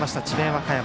和歌山。